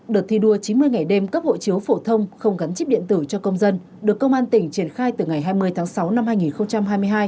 đợt thi đua chín mươi ngày đêm cấp hộ chiếu phổ thông không gắn chip điện tử cho công dân được công an tỉnh triển khai từ ngày hai mươi tháng sáu năm hai nghìn hai mươi hai